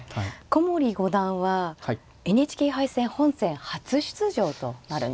古森五段はＮＨＫ杯戦本戦初出場となるんですね。